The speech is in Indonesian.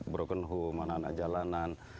broken home mana mana jalanan